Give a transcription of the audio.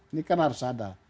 ini kan harus ada